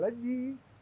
atau entah yang mau